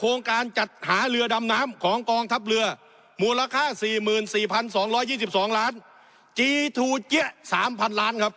โครงการจัดหาเรือดำน้ำของกองทัพเรือมูลค่า๔๔๒๒ล้านจีทูเจี๊ยะ๓๐๐ล้านครับ